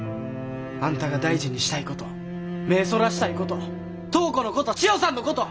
あんたが大事にしたいこと目ぇそらしたいこと灯子のこと千代さんのことみんな書かんかい！